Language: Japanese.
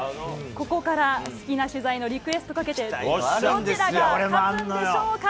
ここから、お好きな取材のリクエストを賭けて、どちらが勝つんでしょうか。